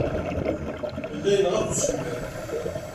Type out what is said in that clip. Yella yenɣa-t usemmiḍ.